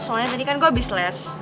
soalnya tadi kan gue abis les